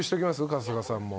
春日さんも。